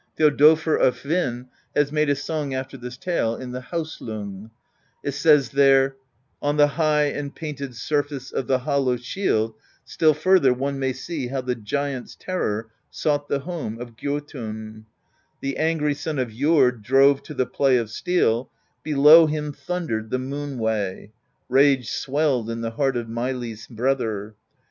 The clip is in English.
Thjodolfr of Hvin has made a song after this tale in the Haustlong, [It says there: On the high and painted surface Of the hollow shield, still further One may see how the Giant's Terror Sought the home of Grjotiin; The angry son of Jord drove To the play of steel; below him Thundered the moon way; rage swelled In the heart of Meili's Brother.